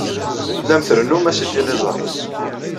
Tellam trennum-as i tliẓri.